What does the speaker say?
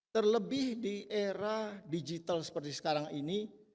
terlebih di era digital seperti sekarang ini